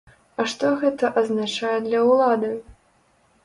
А што гэта азначае для ўлады?